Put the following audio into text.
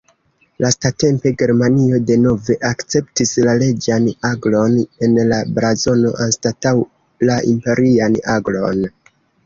Lastatempe Germanio denove akceptis la reĝan aglon en la blazono anstataŭ la imperian aglon.